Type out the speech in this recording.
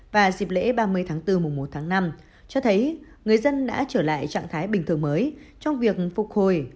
và dịp lễ ba mươi tháng bốn mùa một tháng năm cho thấy người dân đã trở lại trạng thái bình thường mới trong việc phục hồi